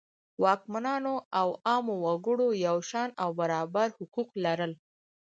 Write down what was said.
واکمنانو او عامو وګړو یو شان او برابر حقوق لرل.